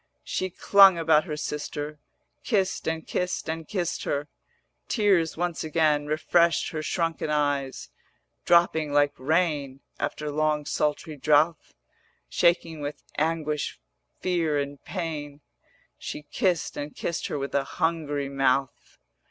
She clung about her sister, Kissed and kissed and kissed her: Tears once again Refreshed her shrunken eyes, Dropping like rain After long sultry drouth; 490 Shaking with aguish fear, and pain, She kissed and kissed her with a hungry mouth.